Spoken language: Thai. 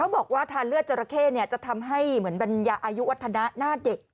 บอกว่าทานเลือดจราเข้จะทำให้เหมือนบรรยาอายุวัฒนะหน้าเด็ก